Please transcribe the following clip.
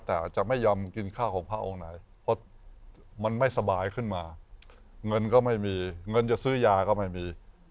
แต่จะไม่ยอมกินข้าวของพระองค์ไหนเพราะมันไม่สบายขึ้นมาเงินก็ไม่มีเงินจะซื้อยาก็ไม่มี